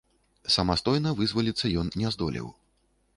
Самастойна вызваліцца ён не здолеў.